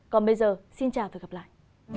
còn bây giờ xin chào và gặp lại